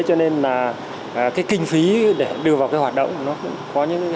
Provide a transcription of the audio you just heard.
cho nên là cái kinh phí để đưa vào cái hoạt động nó cũng có những cái hạn chế